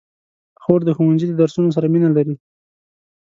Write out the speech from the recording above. خور د ښوونځي د درسونو سره مینه لري.